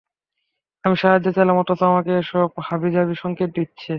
আমি সাহায্য চাইলাম, অথচ আমাকে এসব হাবিজাবি সংকেত দিচ্ছো!